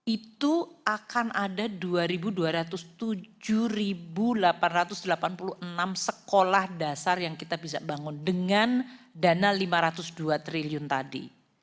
itu akan ada dua dua ratus tujuh delapan ratus delapan puluh enam sekolah dasar yang kita bisa bangun dengan dana lima ratus dua triliun tadi